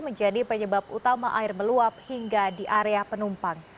menjadi penyebab utama air meluap hingga di area penumpang